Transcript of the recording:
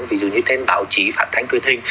ví dụ như tên báo chí phản thánh tuyên hình